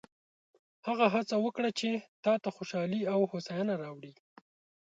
هغه هڅه وکړه چې تا ته خوشحالي او هوساینه راوړي.